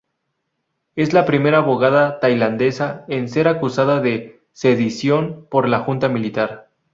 Es la primera abogada tailandesa en ser acusada de sedición por la junta militar.